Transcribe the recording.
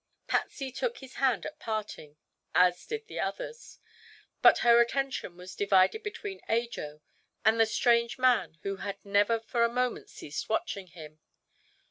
Patsy took his hand at parting, as did the others, but her attention was divided between Ajo and the strange man who had never for a moment ceased watching him.